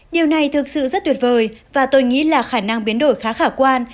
điều này thực sự rất tuyệt vời và tôi nghĩ là khả năng biến đổi khá khả quan